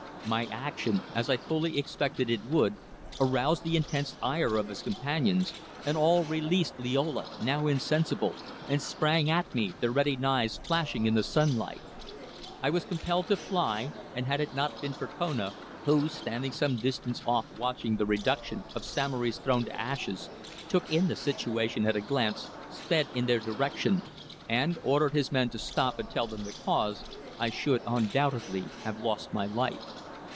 My action, as I fully expected it would, aroused the intense ire of his companions and all released Liola, now insensible, and sprang at me, their ready knives flashing in the sunlight. I was compelled to fly, and had it not been for Kona, who, standing some distance off watching the reduction of Samory's throne to ashes, took in the situation at a glance, sped in their direction, and ordered his men to stop and tell him the cause, I should undoubtedly have lost my life.